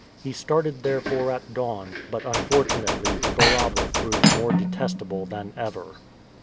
He started therefore at dawn; but unfortunately the Baraba proved more detestable than ever.